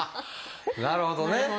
なるほどね！